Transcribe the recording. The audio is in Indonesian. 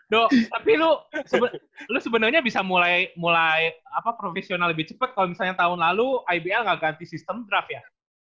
do do tapi lu sebenarnya bisa mulai profesional lebih cepet kalau misalnya tahun lalu ibl nggak ganti sistem draft ya